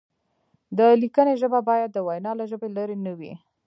د لیکنې ژبه باید د وینا له ژبې لرې نه وي.